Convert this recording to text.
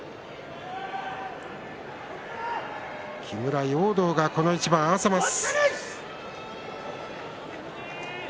木村容堂がこの一番を合わせます。